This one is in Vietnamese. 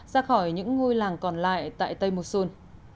ra khỏi những ngôi làng còn lại tại tây mussol